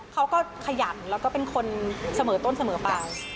ขยันแล้วก็เป็นคนเสมอต้นเสมอไป